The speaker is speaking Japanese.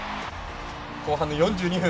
後半の４２分。